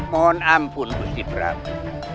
mohon ampun gusti prabu